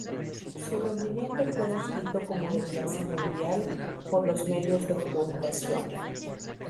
Su rendimiento fue descrito como de "clase mundial" por los medios de comunicación.